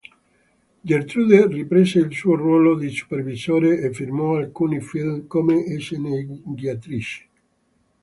Gertrude riprese il suo ruolo di supervisore e firmò alcuni film come sceneggiatrice.